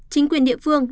chính quyền địa phương